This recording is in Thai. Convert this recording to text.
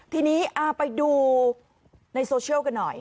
ทีนี้ไปดูในโซเชียลกันหน่อย